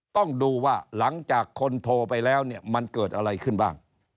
ต้องดูว่าหลังจากคนโทรไปแล้วเนี่ยมันเกิดอะไรขึ้นบ้าง